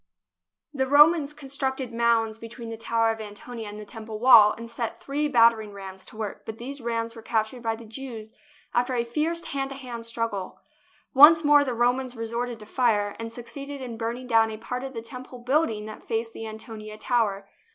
The Romans constructed mounds between the Tower of Antonia and the Temple wall and set three battering rams to work, but these rams were captured by the Jews after a fierce hand to hand struggle. Once more the Romans resorted to fire, and succeeded in burning down a part of the Tem ple building that faced the Antonia Tower.